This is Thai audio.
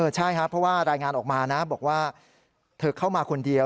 ใช่ครับเพราะว่ารายงานออกมานะบอกว่าเธอเข้ามาคนเดียว